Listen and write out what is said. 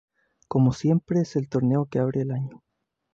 Como siempre es el torneo que abre el año.